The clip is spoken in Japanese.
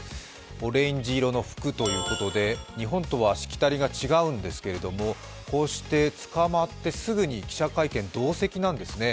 オレンジ色の服ということで日本とはしきたりが違うんですけどもこうして捕まってすぐに記者会見、同席なんですね。